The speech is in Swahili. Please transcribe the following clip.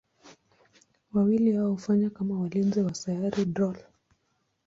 Wawili hao hufanya kama walinzi wa Sayari Drool.